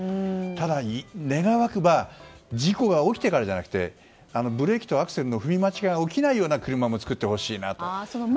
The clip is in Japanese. ただ、願わくば事故が起きてからじゃなくてブレーキとアクセルの踏み間違えが起きないような車も作ってほしいなと。